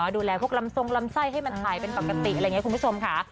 ดูแลพวกลำทรงลำไส้ให้มันถ่ายเป็นปกติอะไรอย่างนี้คุณผู้ชมค่ะ